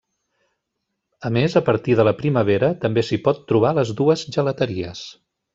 A més a partir de la primavera també s'hi pot trobar les dues gelateries.